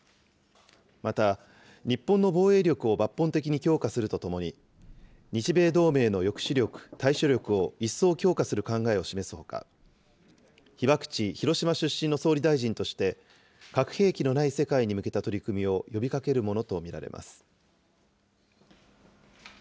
また日本の防衛力を抜本的に強化するとともに、日米同盟の抑止力・対処力を一層強化する考えを示すほか、被爆地、広島出身の総理大臣として、核兵器のない世界に向けた取り組みを呼びかけるものと見られます。